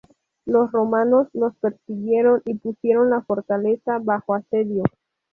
Los romanos los persiguieron y pusieron la fortaleza bajo asedio.